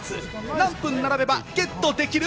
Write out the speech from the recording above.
何分並べばゲットできる？